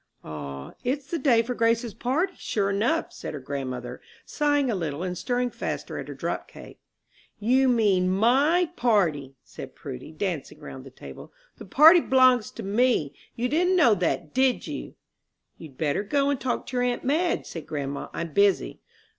"Ah, it's the day for Grace's party, sure enough," said her grandmother, sighing a little, and stirring faster at her drop cake. "You mean my party," said Prudy, dancing around the table. "The party b'longs to me. You didn't know that, did you?" "You'd better go and talk to your aunt Madge," said grandma, "I'm busy."